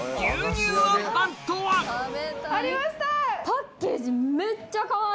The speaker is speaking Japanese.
パッケージめっちゃかわいい！